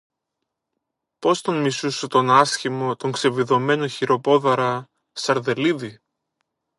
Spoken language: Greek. Πώς τον μισούσα τον άσχημο, τον ξεβιδωμένο χεροπόδαρα Σαρδελίδη!